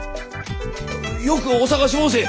よくお捜しもうせ！